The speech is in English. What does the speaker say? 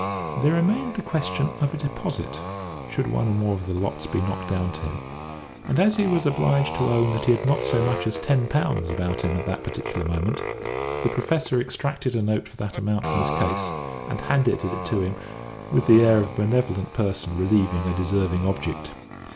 There remained the question of a deposit, should one or more of the lots be knocked down to him; and, as he was obliged to own that he had not so much as ten pounds about him at that particular moment, the Professor extracted a note for that amount from his case, and handed it to him with the air of a benevolent person relieving a deserving object.